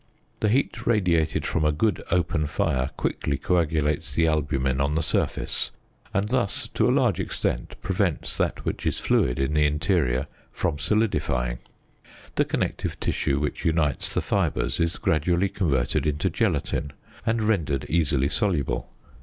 The heat radiated from a good open fire quickly coagulates the albumen on the surface, and thus to a large extent prevents that which is fluid in the interior from solidifying. The connective tissue which unites the fibres is gradually converted into gelatin, and rendered easily soluble.